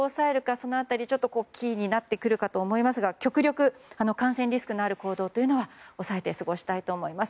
その辺り、キーになってくるかと思いますが極力、感染リスクのある行動は抑えて過ごしたいと思います。